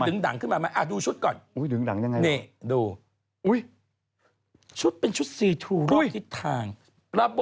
พอว่านแหละคุณดูไอซอะไรแล้วความรู้สึกของคุณไปยังไง